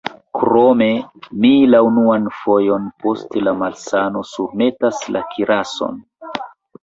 Krome, mi la unuan fojon post la malsano surmetas la kirason.